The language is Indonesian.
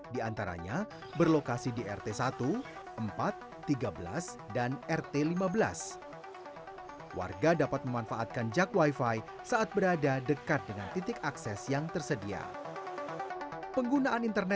di antaranya dua tiga ratus empat puluh berlokasi di jakarta pusat dua dua ratus tiga puluh satu di jakarta selatan